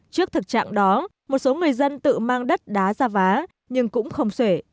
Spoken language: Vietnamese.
trước thực trạng đó một số người dân tự mang đất đá ra vá nhưng cũng không sể